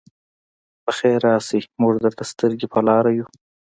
پخير راشئ! موږ درته سترګې په لار وو.